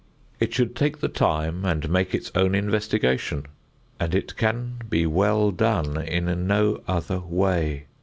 It should take the time and make its own investigation, and it can be well done in no other way.